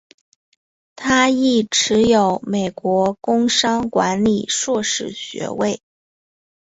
他亦持有美国工商管理硕士学位。